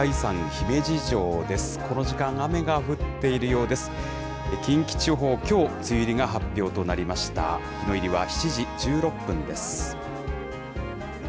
日の入りは７時１６分です。